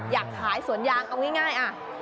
อยากขายสวนยางเอาง่าย